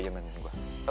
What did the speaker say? jangan bantuin gue